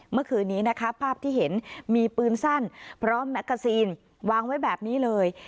เมื่อคืนนี้นะคะภาพที่เห็นมีปืนสั้นพร้อมแมกกาซีนวางไว้แบบนี้เลย